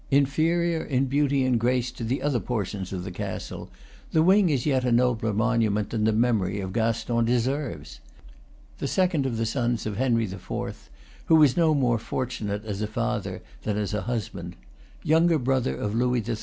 Inferior in beauty and grace to the other portions of the castle, the wing is yet a nobler monu ment than the memory of Gaston deserves. The second of the sons of Henry IV., who was no more fortunate as a father than as a husband, younger brother of Louis XIII.